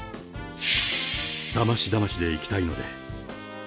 だましだましでいきたいので。